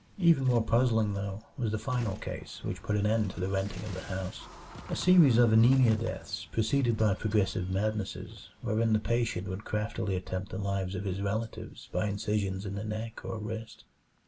Even more puzzling, though, was the final case which put an end to the renting of the house a series of anemia deaths preceded by progressive madnesses wherein the patient would craftily attempt the lives of his relatives by incisions in the neck or wrist.